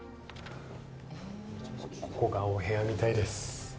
ここがお部屋みたいです。